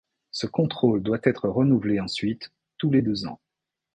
Ce contrôle doit être renouvelé ensuite tous les deux ans.